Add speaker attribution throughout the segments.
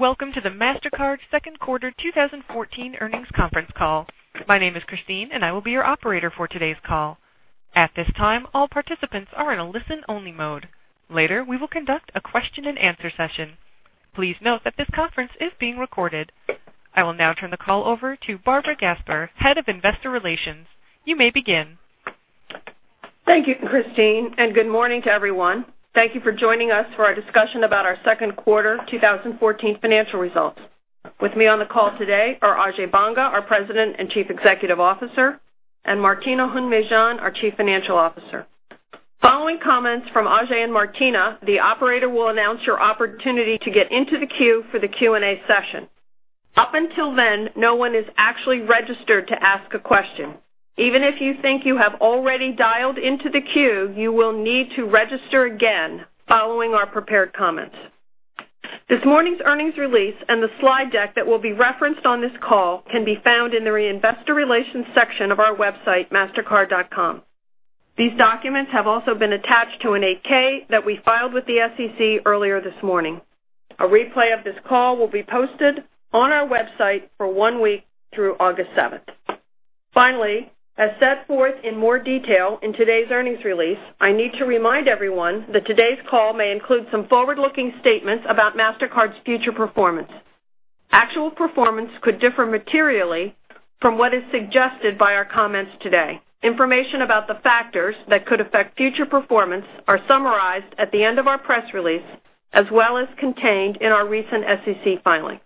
Speaker 1: Welcome to the Mastercard second quarter 2014 earnings conference call. My name is Christine and I will be your operator for today's call. At this time, all participants are in a listen-only mode. Later, we will conduct a question and answer session. Please note that this conference is being recorded. I will now turn the call over to Barbara Gasper, head of investor relations. You may begin.
Speaker 2: Thank you, Christine, and good morning to everyone. Thank you for joining us for our discussion about our second quarter 2014 financial results. With me on the call today are Ajay Banga, our President and Chief Executive Officer, and Martina Hund-Mejean, our Chief Financial Officer. Following comments from Ajay and Martina, the operator will announce your opportunity to get into the queue for the Q&A session. Up until then, no one is actually registered to ask a question. Even if you think you have already dialed into the queue, you will need to register again following our prepared comments. This morning's earnings release and the slide deck that will be referenced on this call can be found in the investor relations section of our website, mastercard.com. These documents have also been attached to an 8-K that we filed with the SEC earlier this morning. A replay of this call will be posted on our website for one week through August 7th. Finally, as set forth in more detail in today's earnings release, I need to remind everyone that today's call may include some forward-looking statements about Mastercard's future performance. Actual performance could differ materially from what is suggested by our comments today. Information about the factors that could affect future performance are summarized at the end of our press release, as well as contained in our recent SEC filings.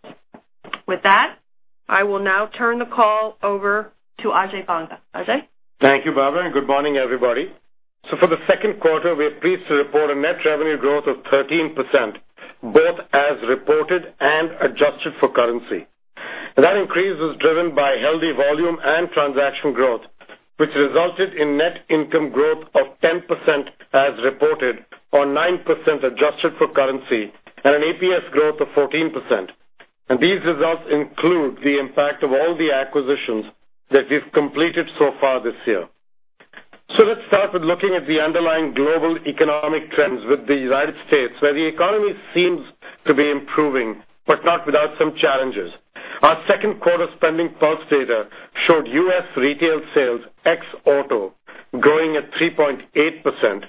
Speaker 2: With that, I will now turn the call over to Ajay Banga. Ajay.
Speaker 3: Thank you, Barbara, and good morning, everybody. For the second quarter, we are pleased to report a net revenue growth of 13%, both as reported and adjusted for currency. That increase is driven by healthy volume and transaction growth, which resulted in net income growth of 10% as reported or 9% adjusted for currency and an APS growth of 14%. These results include the impact of all the acquisitions that we've completed so far this year. Let's start with looking at the underlying global economic trends with the United States, where the economy seems to be improving, but not without some challenges. Our second quarter SpendingPulse data showed U.S. retail sales ex auto growing at 3.8%, and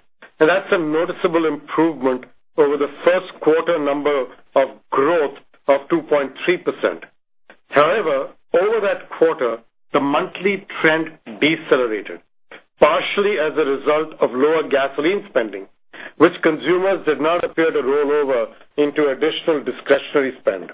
Speaker 3: that's a noticeable improvement over the first quarter number of growth of 2.3%. However, over that quarter, the monthly trend decelerated, partially as a result of lower gasoline spending, which consumers did not appear to roll over into additional discretionary spend.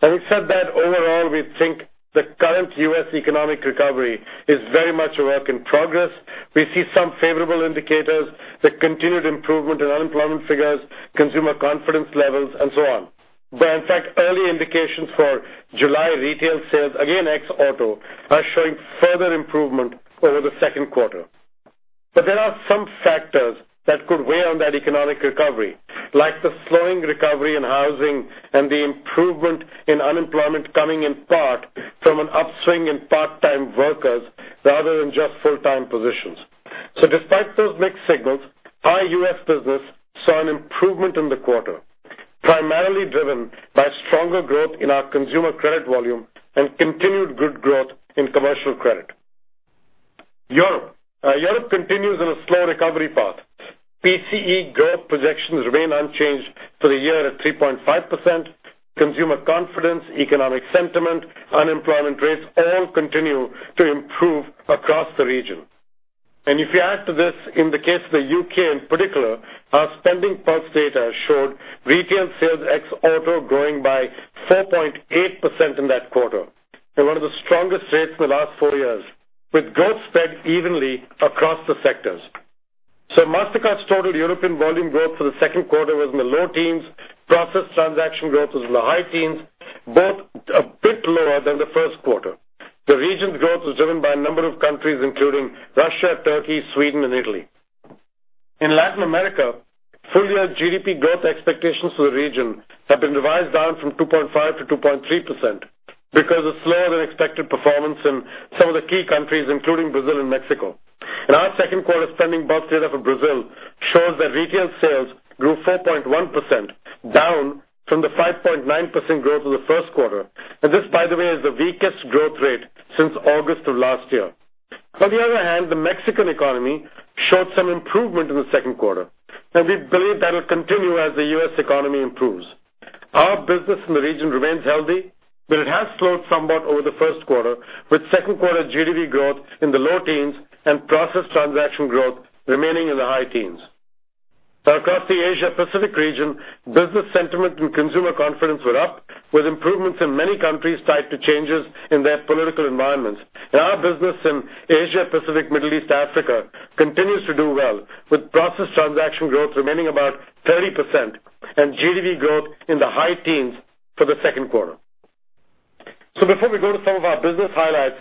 Speaker 3: Having said that, overall, we think the current U.S. economic recovery is very much a work in progress. We see some favorable indicators, the continued improvement in unemployment figures, consumer confidence levels, and so on. In fact, early indications for July retail sales, again ex auto, are showing further improvement over the second quarter. There are some factors that could weigh on that economic recovery, like the slowing recovery in housing and the improvement in unemployment coming in part from an upswing in part-time workers rather than just full-time positions. Despite those mixed signals, our U.S. business saw an improvement in the quarter, primarily driven by stronger growth in our consumer credit volume and continued good growth in commercial credit. Europe. Europe continues on a slow recovery path. PCE growth projections remain unchanged for the year at 3.5%. Consumer confidence, economic sentiment, unemployment rates all continue to improve across the region. If you add to this, in the case of the U.K. in particular, our SpendingPulse data showed retail sales ex auto growing by 4.8% in that quarter. One of the strongest rates in the last four years, with growth spread evenly across the sectors. Mastercard's total European volume growth for the second quarter was in the low teens. Processed transaction growth was in the high teens, both a bit lower than the first quarter. The region's growth was driven by a number of countries, including Russia, Turkey, Sweden and Italy. In Latin America, full-year GDP growth expectations for the region have been revised down from 2.5% to 2.3% because of slower-than-expected performance in some of the key countries, including Brazil and Mexico. Our second quarter SpendingPulse data for Brazil shows that retail sales grew 4.1%, down from the 5.9% growth in the first quarter. This, by the way, is the weakest growth rate since August of last year. On the other hand, the Mexican economy showed some improvement in the second quarter, and we believe that'll continue as the U.S. economy improves. Our business in the region remains healthy, but it has slowed somewhat over the first quarter, with second quarter GDP growth in the low teens and processed transaction growth remaining in the high teens. Across the Asia-Pacific region, business sentiment and consumer confidence were up, with improvements in many countries tied to changes in their political environments. Our business in Asia-Pacific, Middle East, Africa continues to do well, with processed transaction growth remaining about 30% and GDP growth in the high teens for the second quarter. Before we go to some of our business highlights,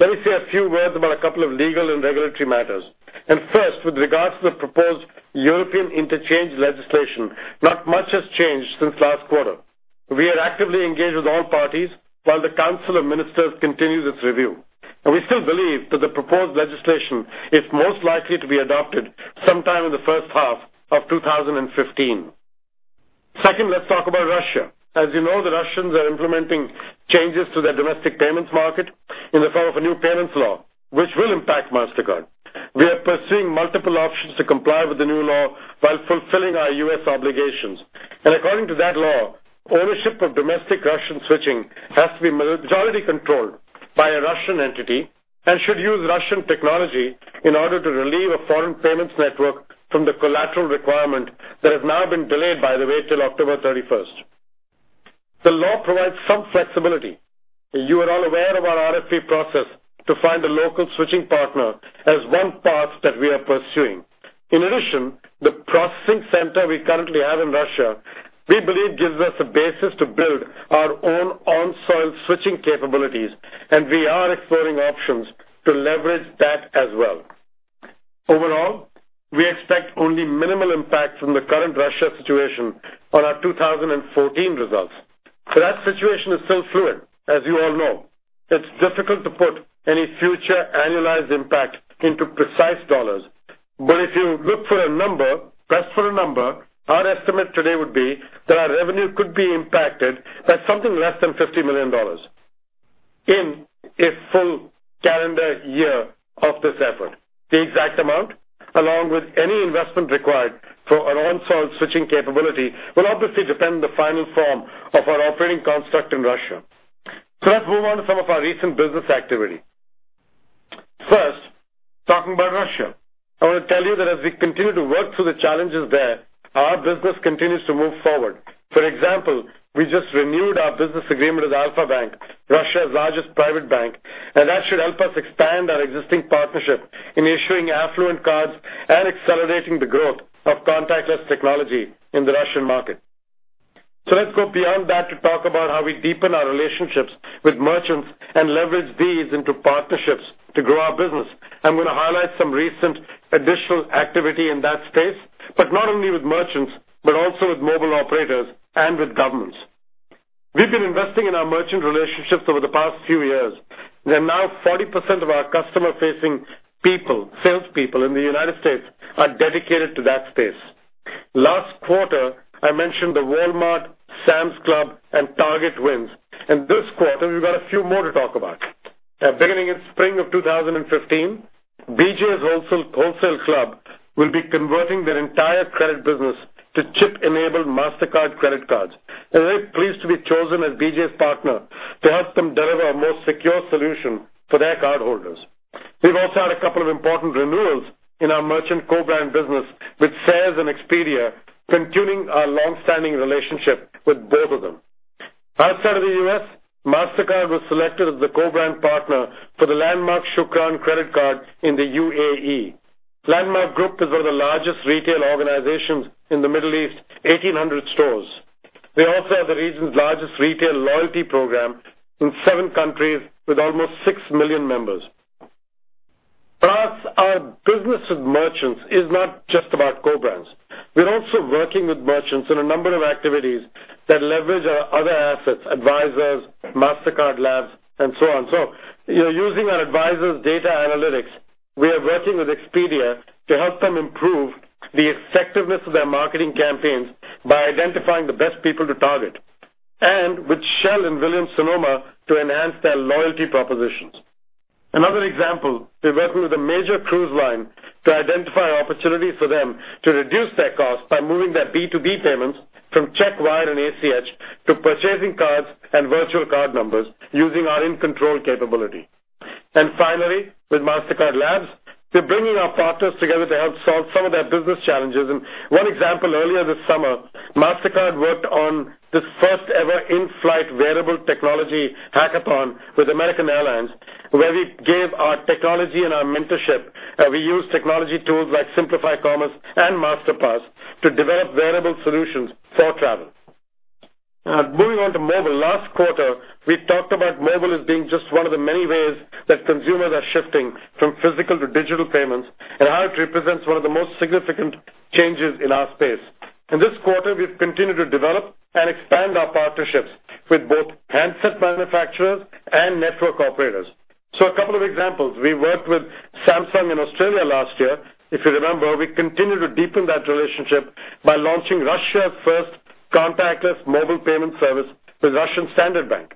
Speaker 3: let me say a few words about a couple of legal and regulatory matters. First, with regards to the proposed European interchange legislation, not much has changed since last quarter. We are actively engaged with all parties while the Council of Ministers continues its review. We still believe that the proposed legislation is most likely to be adopted sometime in the first half of 2015. Second, let's talk about Russia. As you know, the Russians are implementing changes to their domestic payments market in the form of a new payments law, which will impact Mastercard. We are pursuing multiple options to comply with the new law while fulfilling our U.S. obligations. According to that law, ownership of domestic Russian switching has to be majority controlled by a Russian entity and should use Russian technology in order to relieve a foreign payments network from the collateral requirement that has now been delayed, by the way, till October 31st. The law provides some flexibility. You are all aware of our RFP process to find a local switching partner as one path that we are pursuing. In addition, the processing center we currently have in Russia, we believe, gives us a basis to build our own on-soil switching capabilities, and we are exploring options to leverage that as well. Overall, we expect only minimal impact from the current Russia situation on our 2014 results. That situation is still fluid, as you all know. It's difficult to put any future annualized impact into precise dollars. If you look for a number, press for a number, our estimate today would be that our revenue could be impacted by something less than $50 million in a full calendar year of this effort. The exact amount, along with any investment required for an on-soil switching capability, will obviously depend on the final form of our operating construct in Russia. Let's move on to some of our recent business activity. First, talking about Russia. I want to tell you that as we continue to work through the challenges there, our business continues to move forward. For example, we just renewed our business agreement with Alfa-Bank, Russia's largest private bank, and that should help us expand our existing partnership in issuing affluent cards and accelerating the growth of contactless technology in the Russian market. Let's go beyond that to talk about how we deepen our relationships with merchants and leverage these into partnerships to grow our business. I'm going to highlight some recent additional activity in that space, but not only with merchants, but also with mobile operators and with governments. We've been investing in our merchant relationships over the past few years. They're now 40% of our customer-facing people, salespeople in the United States are dedicated to that space. Last quarter, I mentioned the Walmart, Sam's Club, and Target wins. This quarter, we've got a few more to talk about. Beginning in spring of 2015, BJ's Wholesale Club will be converting their entire credit business to chip-enabled Mastercard credit cards. We're very pleased to be chosen as BJ's partner to help them deliver a more secure solution for their cardholders. We've also had a couple of important renewals in our merchant co-brand business with Orbitz and Expedia, continuing our long-standing relationship with both of them. Outside of the U.S., Mastercard was selected as the co-brand partner for the Landmark Shukran credit card in the UAE. Landmark Group is one of the largest retail organizations in the Middle East, 1,800 stores. They also have the region's largest retail loyalty program in seven countries with almost 6 million members. For us, our business with merchants is not just about co-brands. We're also working with merchants in a number of activities that leverage our other assets, Advisors, Mastercard Labs, and so on. Using our Mastercard Advisors data analytics, we are working with Expedia to help them improve the effectiveness of their marketing campaigns by identifying the best people to target, and with Shell and Williams-Sonoma to enhance their loyalty propositions. Another example, we are working with a major cruise line to identify opportunities for them to reduce their costs by moving their B2B payments from check, wire, and ACH to purchasing cards and virtual card numbers using our In Control capability. Finally, with Mastercard Labs, we are bringing our partners together to help solve some of their business challenges. One example earlier this summer, Mastercard worked on this first-ever in-flight wearable technology hackathon with American Airlines, where we gave our technology and our mentorship. We used technology tools like Simplify Commerce and Masterpass to develop wearable solutions for travel. Moving on to mobile. Last quarter, we talked about mobile as being just one of the many ways that consumers are shifting from physical to digital payments and how it represents one of the most significant changes in our space. In this quarter, we've continued to develop and expand our partnerships with both handset manufacturers and network operators. A couple of examples. We worked with Samsung in Australia last year. If you remember, we continued to deepen that relationship by launching Russia's first contactless mobile payment service with Russian Standard Bank.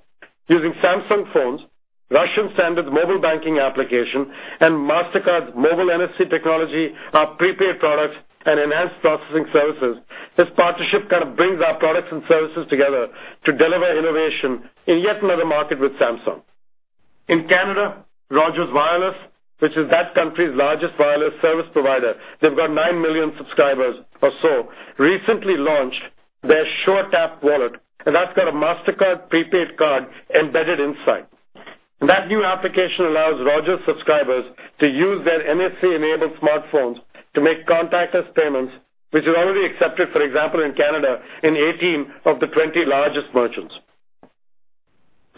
Speaker 3: Using Samsung phones, Russian Standard's mobile banking application, and Mastercard's mobile NFC technology, our prepaid products, and enhanced processing services, this partnership kind of brings our products and services together to deliver innovation in yet another market with Samsung. In Canada, Rogers Wireless, which is that country's largest wireless service provider, they've got 9 million subscribers or so, recently launched their suretap wallet, and that's got a Mastercard prepaid card embedded inside. That new application allows Rogers subscribers to use their NFC-enabled smartphones to make contactless payments, which is already accepted, for example, in Canada, in 18 of the 20 largest merchants.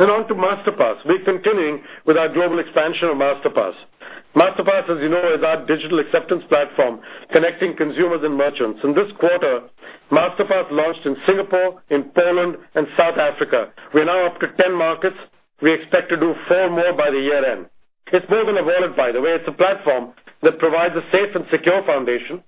Speaker 3: On to Masterpass. We're continuing with our global expansion of Masterpass. Masterpass, as you know, is our digital acceptance platform connecting consumers and merchants. In this quarter, Masterpass launched in Singapore, in Poland and South Africa. We're now up to 10 markets. We expect to do four more by the year-end. It's more than a wallet, by the way. It's a platform that provides a safe and secure foundation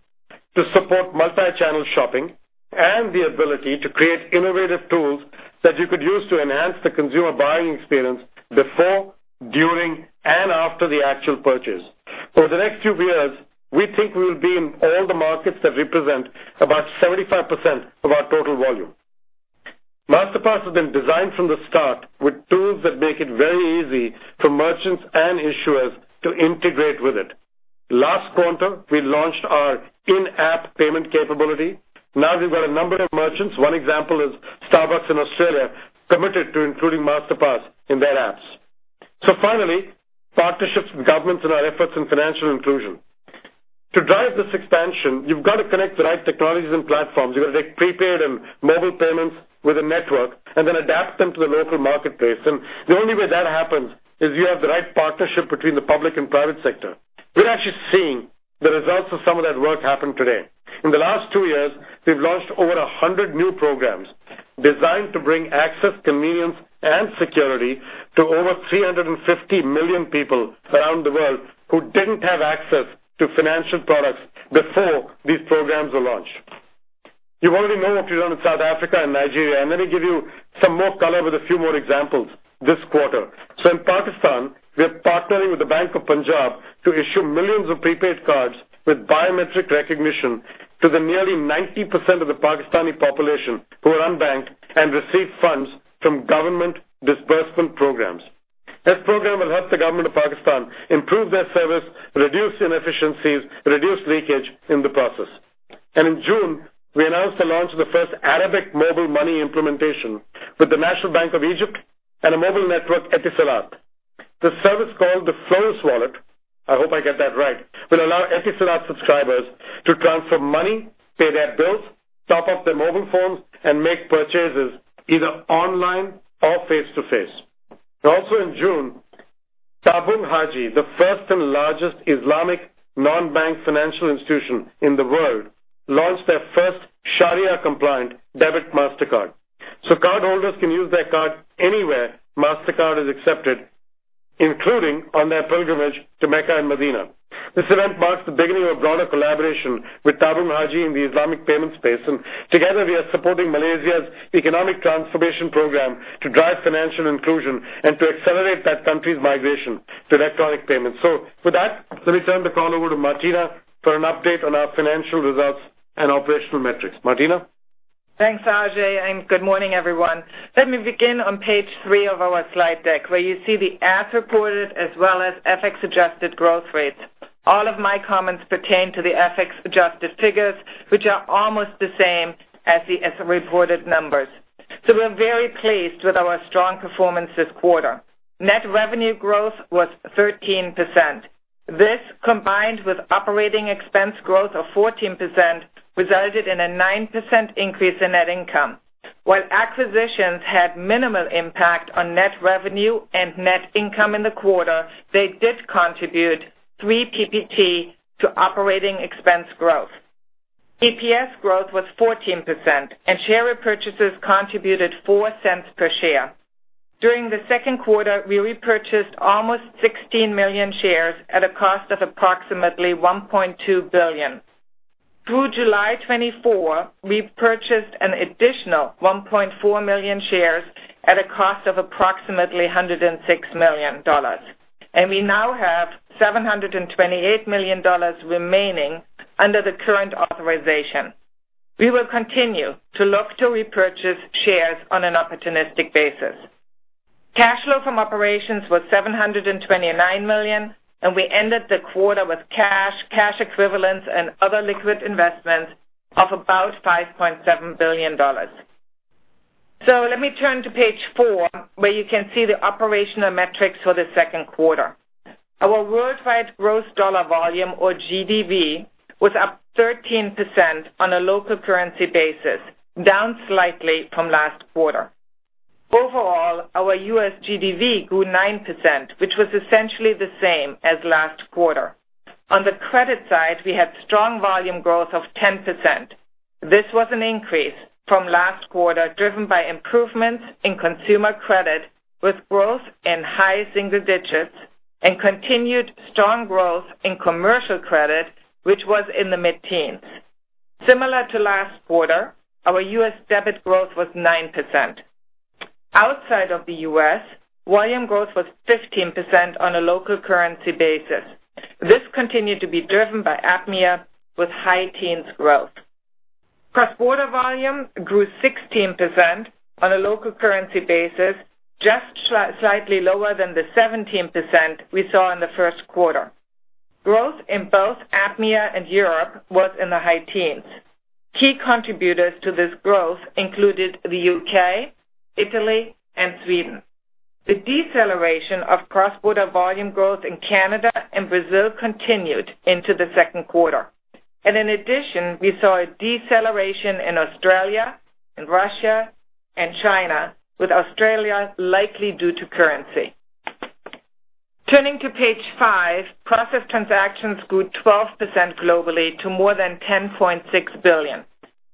Speaker 3: to support multi-channel shopping and the ability to create innovative tools that you could use to enhance the consumer buying experience before, during, and after the actual purchase. Over the next few years, we think we'll be in all the markets that represent about 75% of our total volume. Masterpass has been designed from the start with tools that make it very easy for merchants and issuers to integrate with it. Last quarter, we launched our in-app payment capability. We've got a number of merchants. One example is Starbucks in Australia, committed to including Masterpass in their apps. Finally, partnerships with governments in our efforts in financial inclusion. To drive this expansion, you've got to connect the right technologies and platforms. The only way that happens is you have the right partnership between the public and private sector. We're actually seeing the results of some of that work happen today. In the last two years, we've launched over 100 new programs designed to bring access, convenience, and security to over 350 million people around the world who didn't have access to financial products before these programs were launched. You already know what we've done in South Africa and Nigeria. Let me give you some more color with a few more examples this quarter. In Pakistan, we're partnering with The Bank of Punjab to issue millions of prepaid cards with biometric recognition to the nearly 90% of the Pakistani population who are unbanked and receive funds from government disbursement programs. This program will help the government of Pakistan improve their service, reduce inefficiencies, reduce leakage in the process. In June, we announced the launch of the first Arabic mobile money implementation with the National Bank of Egypt and a mobile network, Etisalat. The service called the Flous wallet, I hope I get that right, will allow Etisalat subscribers to transfer money, pay their bills, top up their mobile phones, and make purchases either online or face-to-face. Also in June, Tabung Haji, the first and largest Islamic non-bank financial institution in the world, launched their first Sharia compliant debit Mastercard. Cardholders can use their card anywhere Mastercard is accepted, including on their pilgrimage to Mecca and Medina. This event marks the beginning of broader collaboration with Tabung Haji in the Islamic payment space. Together we are supporting Malaysia's economic transformation program to drive financial inclusion and to accelerate that country's migration to electronic payments. With that, let me turn the call over to Martina for an update on our financial results and operational metrics. Martina?
Speaker 4: Thanks, Ajay, and good morning, everyone. Let me begin on page three of our slide deck, where you see the as-reported as well as FX-adjusted growth rates. All of my comments pertain to the FX-adjusted figures, which are almost the same as the as-reported numbers. We're very pleased with our strong performance this quarter. Net revenue growth was 13%. This, combined with operating expense growth of 14%, resulted in a 9% increase in net income. While acquisitions had minimal impact on net revenue and net income in the quarter, they did contribute three PPT to operating expense growth. EPS growth was 14%, and share repurchases contributed $0.04 per share. During the second quarter, we repurchased almost 16 million shares at a cost of approximately $1.2 billion. Through July 24, we purchased an additional 1.4 million shares at a cost of approximately $106 million. We now have $728 million remaining under the current authorization. We will continue to look to repurchase shares on an opportunistic basis. Cash flow from operations was $729 million, and we ended the quarter with cash equivalents, and other liquid investments of about $5.7 billion. Let me turn to page four, where you can see the operational metrics for the second quarter. Our worldwide gross dollar volume or GDV was up 13% on a local currency basis, down slightly from last quarter. Overall, our U.S. GDV grew 9%, which was essentially the same as last quarter. On the credit side, we had strong volume growth of 10%. This was an increase from last quarter, driven by improvements in consumer credit, with growth in high single digits and continued strong growth in commercial credit, which was in the mid-teens. Similar to last quarter, our U.S. debit growth was 9%. Outside of the U.S., volume growth was 15% on a local currency basis. This continued to be driven by APMEA with high teens growth. Cross-border volume grew 16% on a local currency basis, just slightly lower than the 17% we saw in the first quarter. Growth in both APMEA and Europe was in the high teens. Key contributors to this growth included the U.K., Italy, and Sweden. The deceleration of cross-border volume growth in Canada and Brazil continued into the second quarter. In addition, we saw a deceleration in Australia, in Russia, and China, with Australia likely due to currency. Turning to page five, processed transactions grew 12% globally to more than 10.6 billion.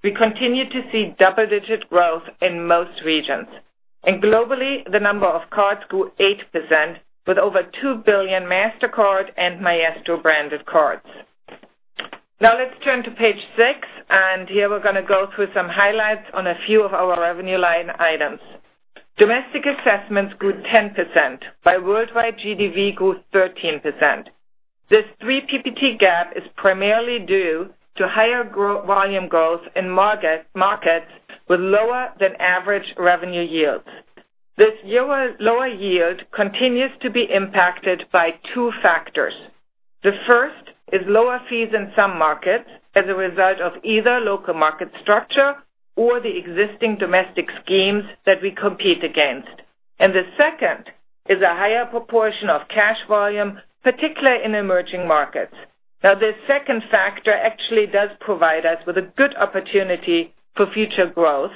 Speaker 4: We continue to see double-digit growth in most regions. Globally, the number of cards grew 8%, with over two billion Mastercard and Maestro branded cards. Let's turn to page six, here we're going to go through some highlights on a few of our revenue line items. Domestic assessments grew 10%, while worldwide GDV grew 13%. This three PPT gap is primarily due to higher volume growth in markets with lower than average revenue yields. This lower yield continues to be impacted by two factors. The first is lower fees in some markets as a result of either local market structure or the existing domestic schemes that we compete against. The second is a higher proportion of cash volume, particularly in emerging markets. This second factor actually does provide us with a good opportunity for future growth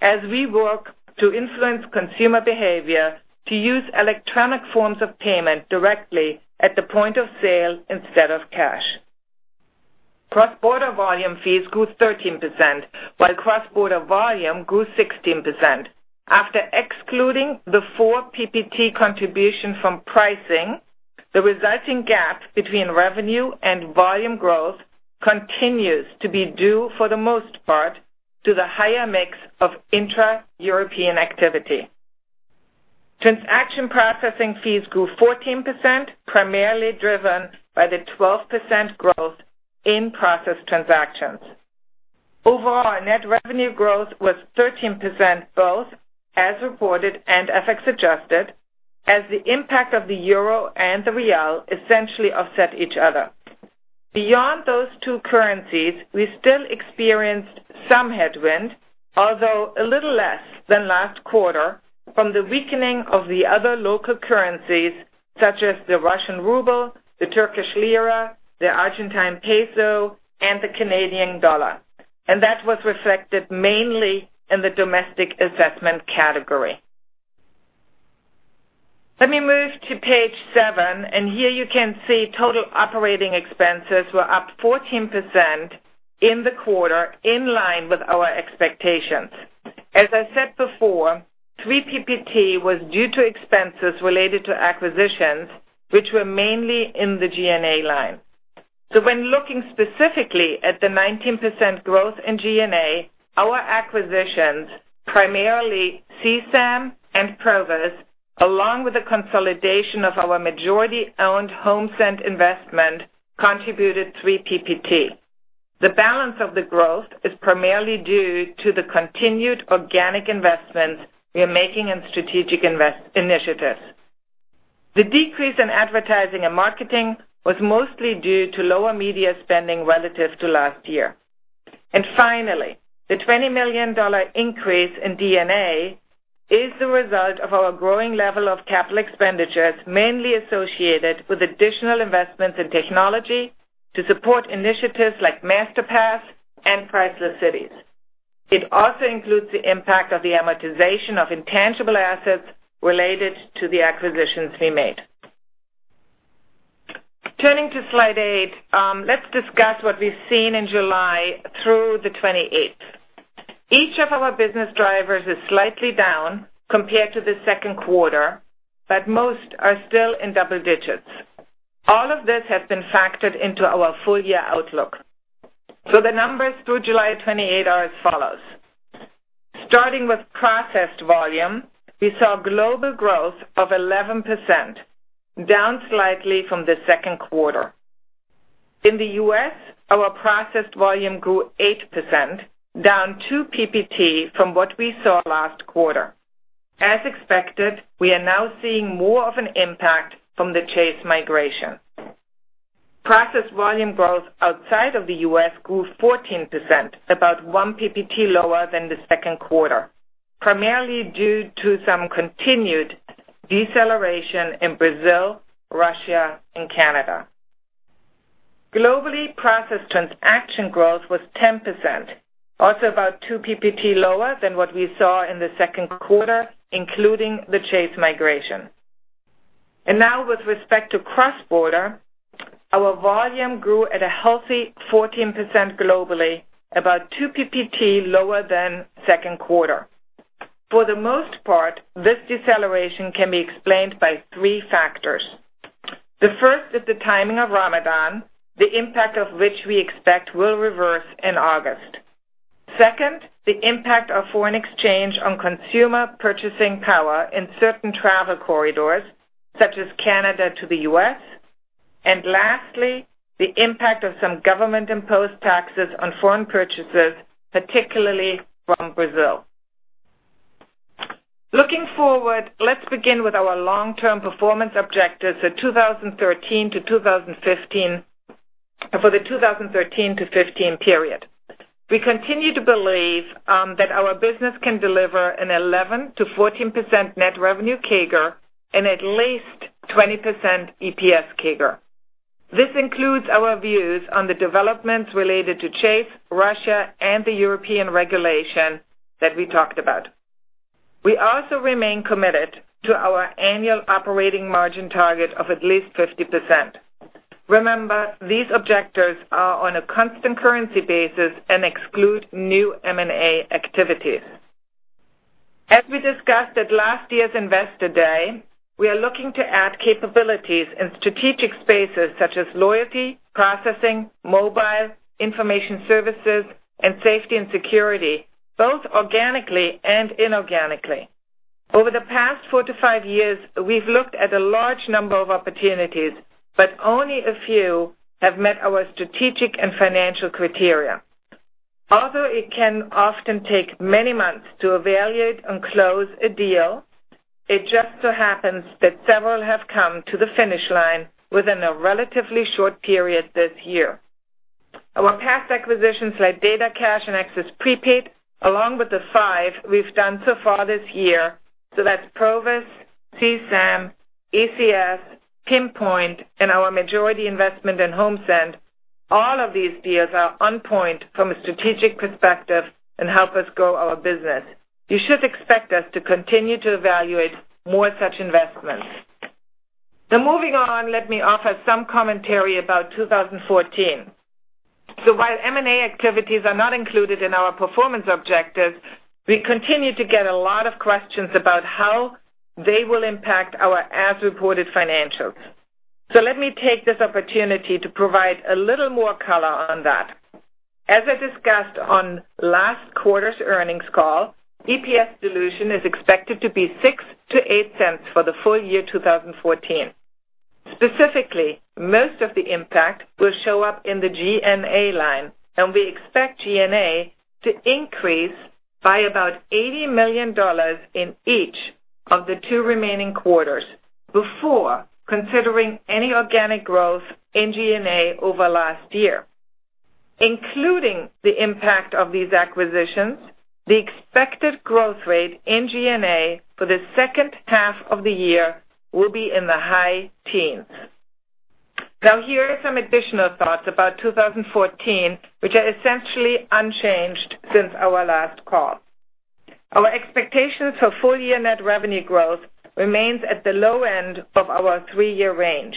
Speaker 4: as we work to influence consumer behavior to use electronic forms of payment directly at the point of sale instead of cash. Cross-border volume fees grew 13%, while cross-border volume grew 16%. After excluding the four PPT contribution from pricing, the resulting gap between revenue and volume growth continues to be due, for the most part, to the higher mix of intra-European activity. Transaction processing fees grew 14%, primarily driven by the 12% growth in processed transactions. Overall, net revenue growth was 13%, both as reported and FX adjusted, as the impact of the euro and the real essentially offset each other. Beyond those two currencies, we still experienced some headwind, although a little less than last quarter from the weakening of the other local currencies such as the Russian ruble, the Turkish lira, the Argentine peso, and the Canadian dollar. That was reflected mainly in the domestic assessment category. Let me move to page seven. Here you can see total operating expenses were up 14% in the quarter in line with our expectations. As I said before, three PPT was due to expenses related to acquisitions which were mainly in the G&A line. When looking specifically at the 19% growth in G&A, our acquisitions, primarily C-SAM and Provus, along with the consolidation of our majority-owned HomeSend investment, contributed three PPT. The balance of the growth is primarily due to the continued organic investments we are making in strategic initiatives. The decrease in advertising and marketing was mostly due to lower media spending relative to last year. Finally, the $20 million increase in D&A is the result of our growing level of capital expenditures, mainly associated with additional investments in technology to support initiatives like Masterpass and Priceless Cities. It also includes the impact of the amortization of intangible assets related to the acquisitions we made. Turning to slide eight, let's discuss what we've seen in July through the 28th. Each of our business drivers is slightly down compared to the second quarter, but most are still in double digits. All of this has been factored into our full year outlook. The numbers through July 28 are as follows. Starting with processed volume, we saw global growth of 11%, down slightly from the second quarter. In the U.S., our processed volume grew 8%, down two PPT from what we saw last quarter. As expected, we are now seeing more of an impact from the Chase migration. Processed volume growth outside of the U.S. grew 14%, about one PPT lower than the second quarter, primarily due to some continued deceleration in Brazil, Russia, and Canada. Globally, processed transaction growth was 10%, also about two PPT lower than what we saw in the second quarter, including the Chase migration. Now with respect to cross-border, our volume grew at a healthy 14% globally, about two PPT lower than second quarter. For the most part, this deceleration can be explained by three factors. The first is the timing of Ramadan, the impact of which we expect will reverse in August. Second, the impact of foreign exchange on consumer purchasing power in certain travel corridors such as Canada to the U.S. Lastly, the impact of some government-imposed taxes on foreign purchases, particularly from Brazil. Looking forward, let's begin with our long-term performance objectives for the 2013 to 2015 period. We continue to believe that our business can deliver an 11%-14% net revenue CAGR and at least 20% EPS CAGR. This includes our views on the developments related to Chase, Russia, and the European regulation that we talked about. We also remain committed to our annual operating margin target of at least 50%. Remember, these objectives are on a constant currency basis and exclude new M&A activities. As we discussed at last year's Investor Day, we are looking to add capabilities in strategic spaces such as loyalty, processing, mobile, information services, and safety and security, both organically and inorganically. Over the past four to five years, we've looked at a large number of opportunities, but only a few have met our strategic and financial criteria. Although it can often take many months to evaluate and close a deal, it just so happens that several have come to the finish line within a relatively short period this year. Our past acquisitions like DataCash and Access Prepaid, along with the five we've done so far this year, that's Provus, C-SAM, ECS, Pinpoint, and our majority investment in HomeSend, all of these deals are on point from a strategic perspective and help us grow our business. You should expect us to continue to evaluate more such investments. Moving on, let me offer some commentary about 2014. While M&A activities are not included in our performance objectives, we continue to get a lot of questions about how they will impact our as-reported financials. Let me take this opportunity to provide a little more color on that. As I discussed on last quarter's earnings call, EPS dilution is expected to be $0.06 to $0.08 for the full year 2014. Specifically, most of the impact will show up in the G&A line, and we expect G&A to increase by about $80 million in each of the two remaining quarters, before considering any organic growth in G&A over last year. Including the impact of these acquisitions, the expected growth rate in G&A for the second half of the year will be in the high teens. Here are some additional thoughts about 2014, which are essentially unchanged since our last call. Our expectations for full-year net revenue growth remains at the low end of our three-year range.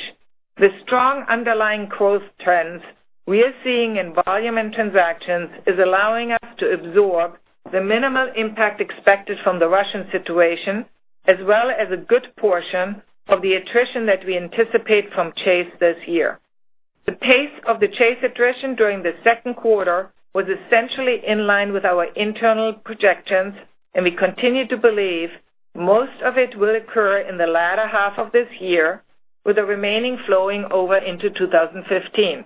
Speaker 4: The strong underlying growth trends we are seeing in volume and transactions is allowing us to absorb the minimal impact expected from the Russian situation, as well as a good portion of the attrition that we anticipate from Chase this year. The pace of the Chase attrition during the second quarter was essentially in line with our internal projections, and we continue to believe most of it will occur in the latter half of this year, with the remaining flowing over into 2015.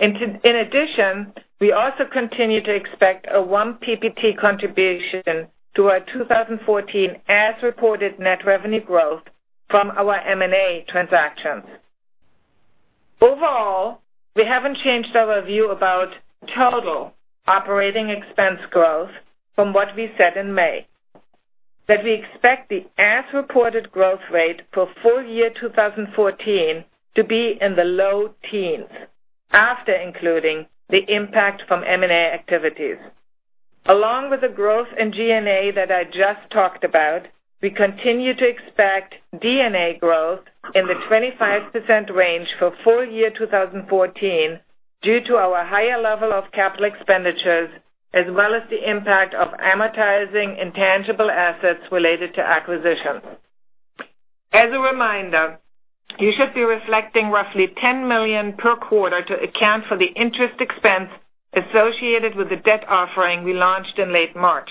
Speaker 4: In addition, we also continue to expect a one PPT contribution to our 2014 as-reported net revenue growth from our M&A transactions. Overall, we haven't changed our view about total operating expense growth from what we said in May, that we expect the as-reported growth rate for full-year 2014 to be in the low teens after including the impact from M&A activities. Along with the growth in G&A that I just talked about, we continue to expect D&A growth in the 25% range for full-year 2014 due to our higher level of capital expenditures, as well as the impact of amortizing intangible assets related to acquisitions. As a reminder, you should be reflecting roughly $10 million per quarter to account for the interest expense associated with the debt offering we launched in late March.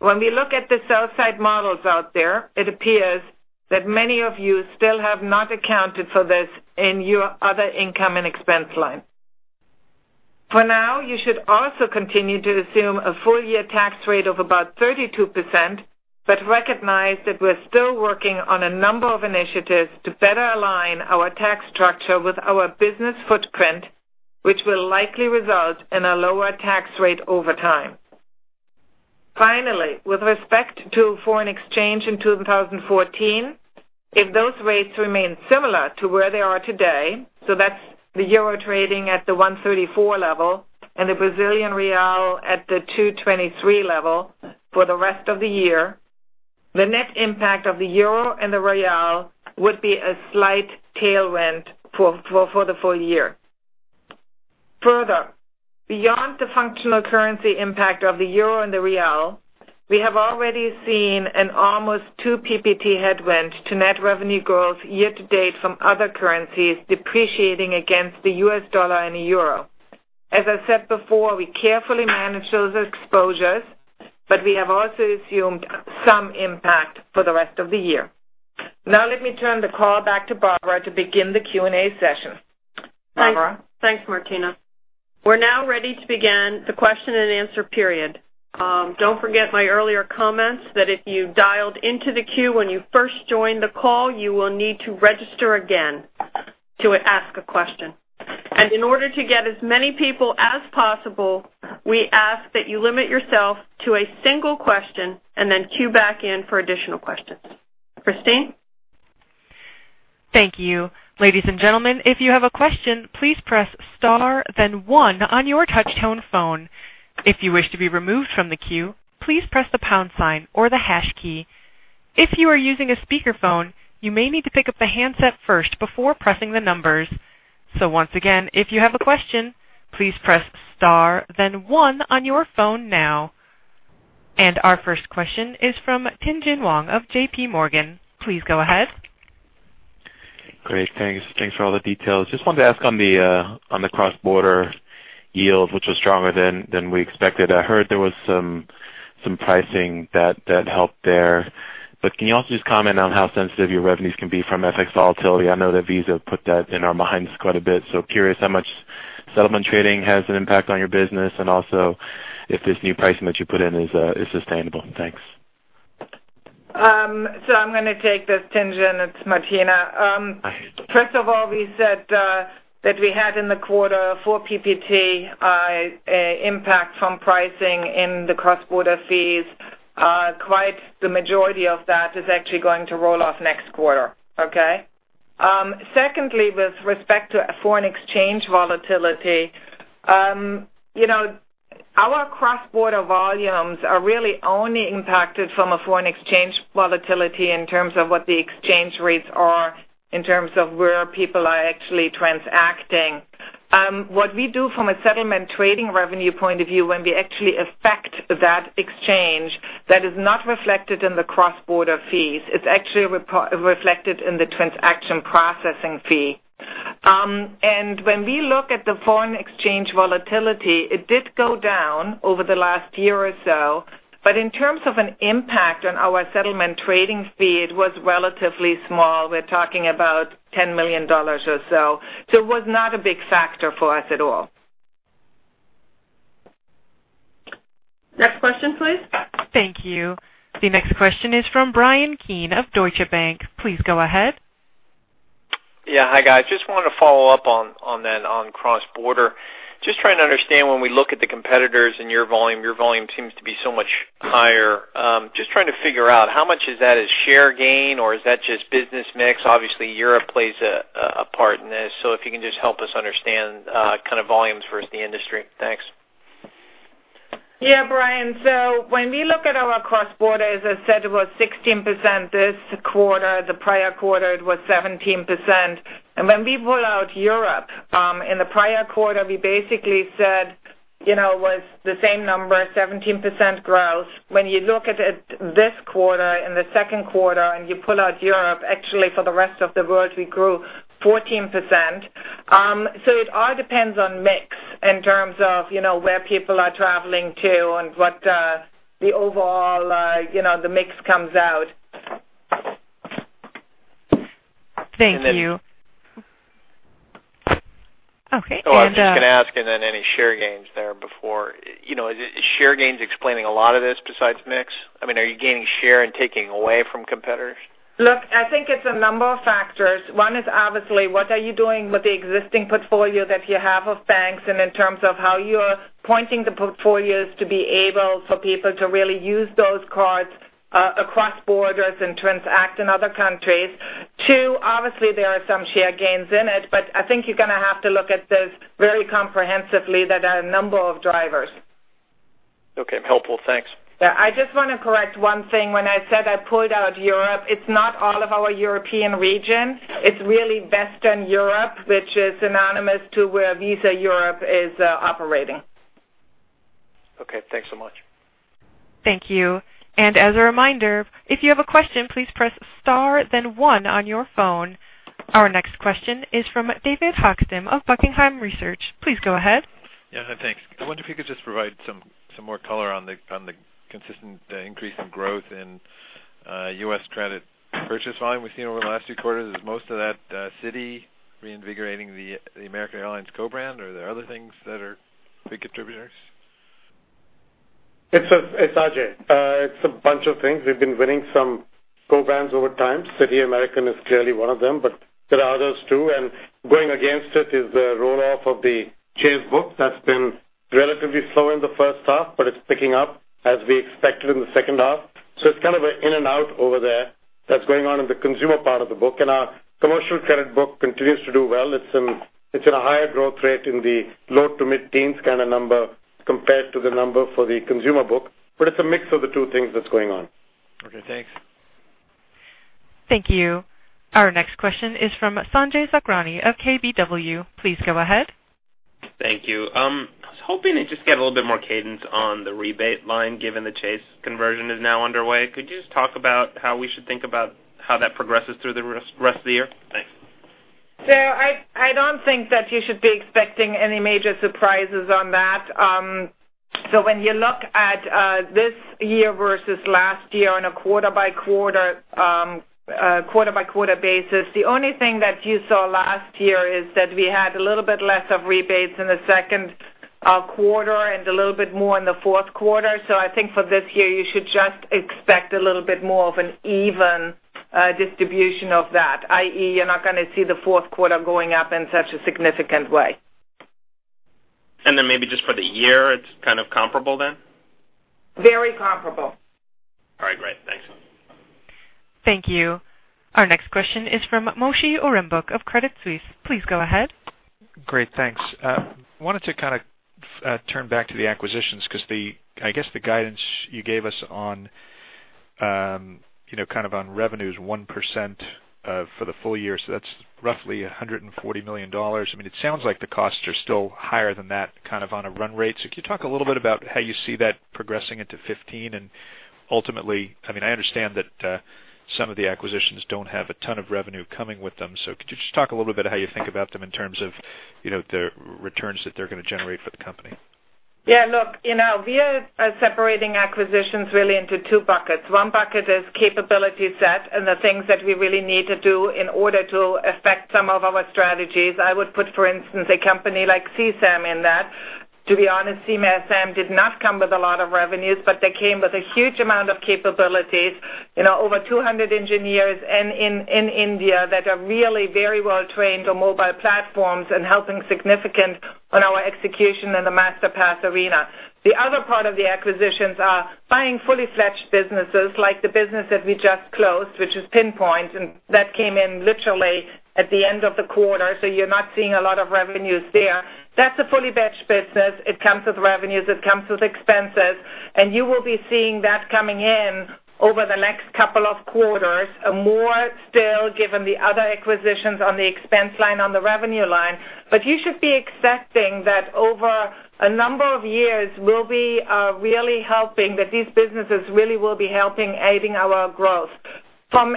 Speaker 4: When we look at the sell side models out there, it appears that many of you still have not accounted for this in your other income and expense line. For now, you should also continue to assume a full-year tax rate of about 32%, but recognize that we're still working on a number of initiatives to better align our tax structure with our business footprint, which will likely result in a lower tax rate over time. Finally, with respect to foreign exchange in 2014, if those rates remain similar to where they are today, that's the EUR trading at the 134 level and the BRL at the 223 level for the rest of the year, the net impact of the EUR and the BRL would be a slight tailwind for the full year. Further, beyond the functional currency impact of the EUR and the BRL, we have already seen an almost 2 PPT headwind to net revenue growth year to date from other currencies depreciating against the U.S. dollar and the EUR. As I said before, we carefully manage those exposures, but we have also assumed some impact for the rest of the year. Let me turn the call back to Barbara to begin the Q&A session. Barbara?
Speaker 2: Thanks, Martina. We're now ready to begin the question and answer period. Don't forget my earlier comments that if you dialed into the queue when you first joined the call, you will need to register again to ask a question. In order to get as many people as possible, we ask that you limit yourself to a single question and then queue back in for additional questions. Christine?
Speaker 1: Thank you. Ladies and gentlemen, if you have a question, please press star then one on your touch-tone phone. If you wish to be removed from the queue, please press the pound sign or the hash key. If you are using a speakerphone, you may need to pick up the handset first before pressing the numbers. Once again, if you have a question, please press star then one on your phone now. Our first question is from Tien-tsin Huang of J.P. Morgan. Please go ahead.
Speaker 5: Great. Thanks. Thanks for all the details. Just wanted to ask on the cross-border yield, which was stronger than we expected. I heard there was some pricing that helped there. Can you also just comment on how sensitive your revenues can be from FX volatility? I know that Visa put that in our minds quite a bit, so curious how much settlement trading has an impact on your business and also if this new pricing that you put in is sustainable. Thanks.
Speaker 4: I'm going to take this, Tien-tsin. It's Martina.
Speaker 5: I see.
Speaker 4: First of all, we said that we had in the quarter four PPT impact from pricing in the cross-border fees. Quite the majority of that is actually going to roll off next quarter. Okay. Secondly, with respect to foreign exchange volatility, our cross-border volumes are really only impacted from a foreign exchange volatility in terms of what the exchange rates are, in terms of where people are actually transacting. What we do from a settlement trading revenue point of view, when we actually affect that exchange, that is not reflected in the cross-border fees. It's actually reflected in the transaction processing fee. When we look at the foreign exchange volatility, it did go down over the last year or so, but in terms of an impact on our settlement trading fee, it was relatively small. We're talking about $10 million or so. It was not a big factor for us at all.
Speaker 2: Next question, please.
Speaker 1: Thank you. The next question is from Bryan Keane of Deutsche Bank. Please go ahead.
Speaker 6: Yeah. Hi, guys. Just wanted to follow up on cross-border. Just trying to understand when we look at the competitors and your volume seems to be so much higher. Just trying to figure out how much is that a share gain or is that just business mix? Obviously, Europe plays a part in this. If you can just help us understand kind of volumes versus the industry. Thanks.
Speaker 4: Yeah, Bryan. When we look at our cross-border, as I said, it was 16% this quarter. The prior quarter it was 17%. When we pull out Europe, in the prior quarter we basically said it was the same number, 17% growth. When you look at it this quarter, in the second quarter and you pull out Europe, actually for the rest of the world, we grew 14%. It all depends on mix in terms of where people are traveling to and what the overall mix comes out.
Speaker 1: Thank you. Okay.
Speaker 6: Oh, I was just going to ask and then any share gains there before. Is share gains explaining a lot of this besides mix? Are you gaining share and taking away from competitors?
Speaker 4: Look, I think it's a number of factors. One is obviously what are you doing with the existing portfolio that you have of banks and in terms of how you are pointing the portfolios to be able for people to really use those cards across borders and transact in other countries. Two, obviously there are some share gains in it, but I think you're going to have to look at this very comprehensively that a number of drivers.
Speaker 6: Okay. Helpful. Thanks.
Speaker 4: Yeah. I just want to correct one thing. When I said I pulled out Europe, it is not all of our European region. It is really Western Europe, which is synonymous to where Visa Europe is operating.
Speaker 6: Okay. Thanks so much.
Speaker 1: Thank you. As a reminder, if you have a question, please press star then one on your phone. Our next question is from David Hochstim of Buckingham Research Group. Please go ahead.
Speaker 7: Yeah. Hi. Thanks. I wonder if you could just provide some more color on the consistent increase in growth in U.S. credit purchase volume we've seen over the last few quarters. Is most of that Citi reinvigorating the American Airlines co-brand or are there other things that are big contributors?
Speaker 3: It's Ajay. It's a bunch of things. We've been winning some co-brands over time. Citi American is clearly one of them, but there are others too, going against it is the roll-off of the Chase book that's been relatively slow in the first half, but it's picking up as we expected in the second half. It's kind of an in and out over there that's going on in the consumer part of the book. Our commercial credit book continues to do well. It's in a higher growth rate in the low to mid-teens kind of number compared to the number for the consumer book, but it's a mix of the two things that's going on.
Speaker 7: Okay, thanks.
Speaker 1: Thank you. Our next question is from Sanjay Sakhrani of KBW. Please go ahead.
Speaker 8: Thank you. I was hoping to just get a little bit more cadence on the rebate line given the Chase conversion is now underway. Could you just talk about how we should think about how that progresses through the rest of the year? Thanks.
Speaker 4: I don't think that you should be expecting any major surprises on that. When you look at this year versus last year on a quarter-by-quarter basis, the only thing that you saw last year is that we had a little bit less of rebates in the second Our quarter and a little bit more in the fourth quarter. I think for this year you should just expect a little bit more of an even distribution of that, i.e., you're not going to see the fourth quarter going up in such a significant way.
Speaker 8: Maybe just for the year, it's kind of comparable then?
Speaker 4: Very comparable.
Speaker 8: All right, great. Thanks.
Speaker 1: Thank you. Our next question is from Moshe Orenbuch of Credit Suisse. Please go ahead.
Speaker 9: Great. Thanks. Wanted to kind of turn back to the acquisitions because I guess the guidance you gave us on revenues 1% for the full year. That's roughly $140 million. It sounds like the costs are still higher than that kind of on a run rate. Can you talk a little bit about how you see that progressing into 2015? Ultimately, I understand that some of the acquisitions don't have a ton of revenue coming with them. Could you just talk a little bit how you think about them in terms of the returns that they're going to generate for the company?
Speaker 4: Look, we are separating acquisitions really into two buckets. One bucket is capability set and the things that we really need to do in order to affect some of our strategies. I would put, for instance, a company like C-SAM in that. To be honest, C-SAM did not come with a lot of revenues, but they came with a huge amount of capabilities. Over 200 engineers in India that are really very well trained on mobile platforms and helping significant on our execution in the Masterpass arena. The other part of the acquisitions are buying fully-fledged businesses like the business that we just closed, which is Pinpoint, and that came in literally at the end of the quarter. You're not seeing a lot of revenues there. That's a fully-fledged business. It comes with revenues, it comes with expenses. You will be seeing that coming in over the next couple of quarters, more still given the other acquisitions on the expense line, on the revenue line. You should be expecting that over a number of years will be really helping, that these businesses really will be helping aiding our growth. From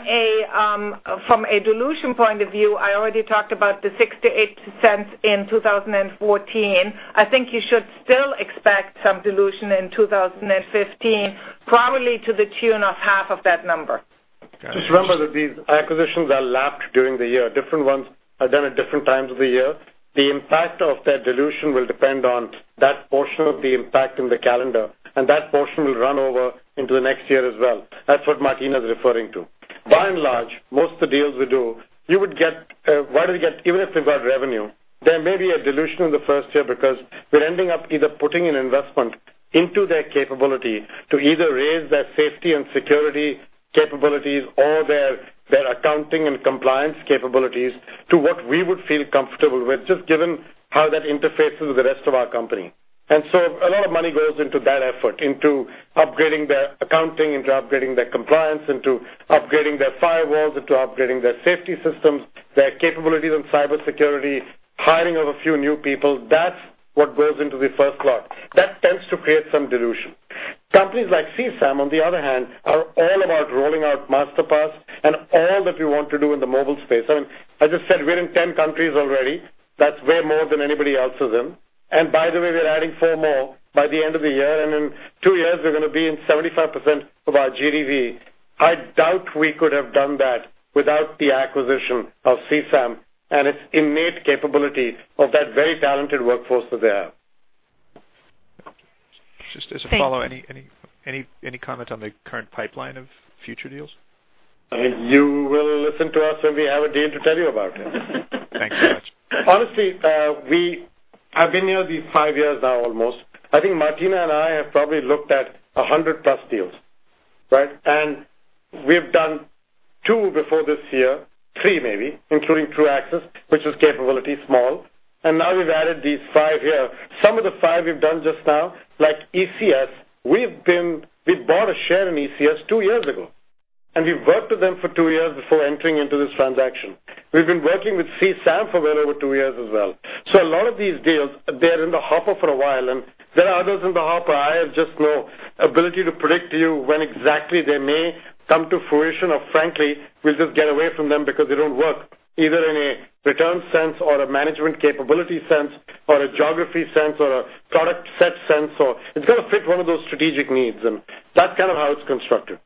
Speaker 4: a dilution point of view, I already talked about the $0.06-$0.08 in 2014. I think you should still expect some dilution in 2015, probably to the tune of half of that number.
Speaker 9: Got you.
Speaker 3: Just remember that these acquisitions are lapped during the year. Different ones are done at different times of the year. The impact of their dilution will depend on that portion of the impact in the calendar, and that portion will run over into the next year as well. That's what Martina is referring to. By and large, most of the deals we do, even if we've got revenue, there may be a dilution in the first year because we're ending up either putting an investment into their capability to either raise their safety and security capabilities or their accounting and compliance capabilities to what we would feel comfortable with, just given how that interfaces with the rest of our company. A lot of money goes into that effort, into upgrading their accounting, into upgrading their compliance, into upgrading their firewalls, into upgrading their safety systems, their capabilities on cybersecurity, hiring of a few new people. That's what goes into the first lot. That tends to create some dilution. Companies like C-SAM, on the other hand, are all about rolling out Masterpass and all that we want to do in the mobile space. I just said we're in 10 countries already. That's way more than anybody else is in. By the way, we're adding four more by the end of the year. In two years, we're going to be in 75% of our GDV. I doubt we could have done that without the acquisition of C-SAM and its innate capability of that very talented workforce that they have.
Speaker 9: Just as a follow, any comment on the current pipeline of future deals?
Speaker 3: You will listen to us when we have a deal to tell you about it.
Speaker 9: Thanks so much.
Speaker 3: Honestly, we have been here these 5 years now almost. I think Martina and I have probably looked at 100 plus deals, right? We've done 2 before this year, 3 maybe, including Truaxis, which is capability small. Now we've added these 5 here. Some of the 5 we've done just now, like ECS, we bought a share in ECS 2 years ago, and we've worked with them for 2 years before entering into this transaction. We've been working with C-SAM for well over 2 years as well. A lot of these deals, they're in the hopper for a while, and there are others in the hopper. I have just no ability to predict to you when exactly they may come to fruition, or frankly, we'll just get away from them because they don't work either in a return sense or a management capability sense, or a geography sense, or a product set sense, or it's got to fit one of those strategic needs. That's kind of how it's constructed.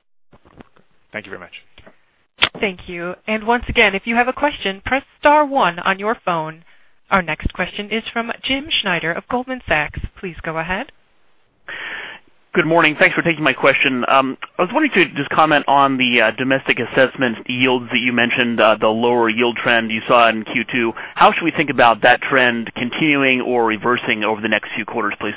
Speaker 9: Thank you very much.
Speaker 1: Thank you. Once again, if you have a question, press star 1 on your phone. Our next question is from James Schneider of Goldman Sachs. Please go ahead.
Speaker 10: Good morning. Thanks for taking my question. I was wondering could you just comment on the domestic assessment yields that you mentioned, the lower yield trend you saw in Q2. How should we think about that trend continuing or reversing over the next few quarters, please?